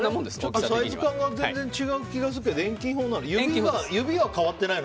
サイズ感が違う気がするけど遠近法なの？